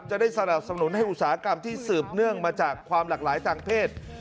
จะได้สนับสนุนให้อุตสาหกรรมที่สืบเนื่องมาจากความหลากหลายทางเพศ